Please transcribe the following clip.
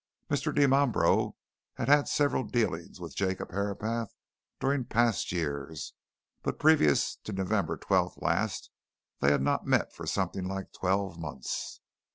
Mr. Dimambro had had several dealings with Jacob Herapath during past years, but previous to November 12th last they had not met for something like twelve months.